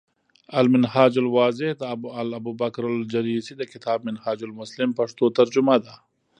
المنهاج الواضح، د الابوبکرالجريسي د کتاب “منهاج المسلم ” پښتو ترجمه ده ۔